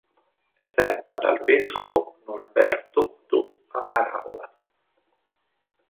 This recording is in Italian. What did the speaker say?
È retta dal vescovo Norberto Do Amaral.